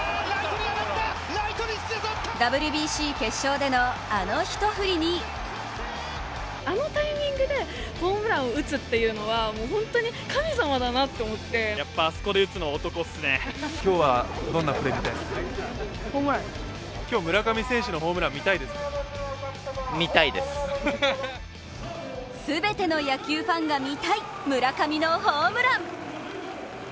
ＷＢＣ決勝での、あの一振りに全ての野球ファンが見たい、村上のホームラン。